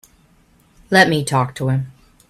Let me talk to him.